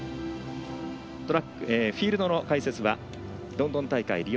フィールドの解説はロンドン大会リオ